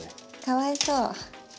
かわいそう。